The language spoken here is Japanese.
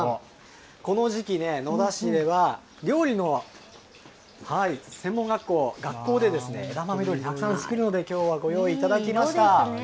この時期ね、野田市では料理の専門学校、学校で、枝豆料理たくさん作るので、きょうはご用意いただきました。